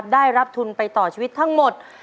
ได้รับทุนไปต่อชีวิตทั้งหมด